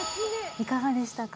いかがでしたか？